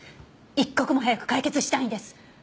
一刻も早く解決したいんです。